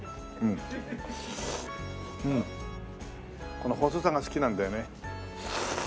この細さが好きなんだよね。